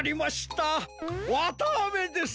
わたあめです！